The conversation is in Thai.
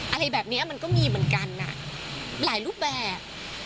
อะไรแบบนี้มันก็มีเหมือนกันหลายรูปแบบ